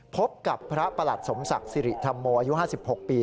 พบกับพระประหลัดสมศักดิ์สิริธรรมโมอายุ๕๖ปี